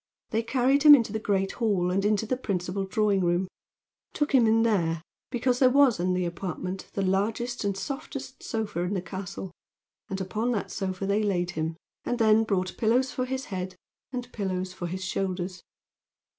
They carried him into the great hall and into the principal drawing room, took him in there because there was in the apartment the largest and softest sofa in the castle, and upon that sofa they laid him, and then brought pillows for his head and pillows for his shoulders.